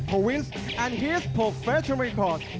สวัสดีครับสวัสดีครับ